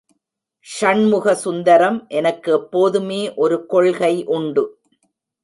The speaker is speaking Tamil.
ஷண்முகசுந்தரம் எனக்கு எப்போதுமே ஒரு கொள்கை உண்டு.